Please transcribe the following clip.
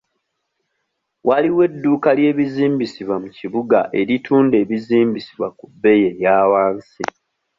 Waliwo edduuka ly'ebizimbisibwa mu kibuga eritunda ebizimbisibwa ku bbeeyi eyawansi.